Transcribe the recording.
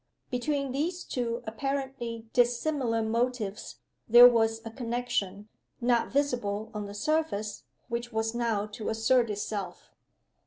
Between these two apparently dissimilar motives there was a connection, not visible on the surface, which was now to assert itself.